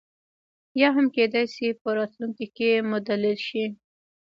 یا هم کېدای شي په راتلونکي کې مدلل شي.